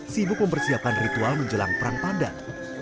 sibuk mempersiapkan ritual menjelang perang pandan